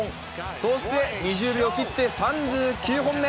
そして２０秒切って３９本目、